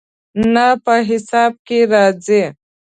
نه، په حساب کې راځي